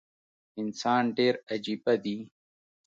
انسان ډیر عجیبه دي